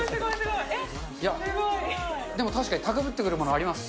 いや、でも確かにたかぶってくるものあります。